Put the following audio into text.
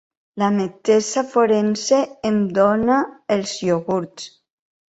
La metgessa forense em dóna els iogurts.